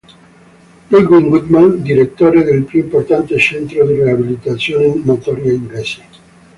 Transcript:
Ludwig Guttmann, direttore del più importante centro di riabilitazione motoria inglese.